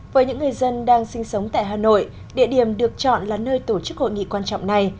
với những người dân đang sinh sống tại hà nội địa điểm được chọn là nơi tổ chức hội nghị quan trọng này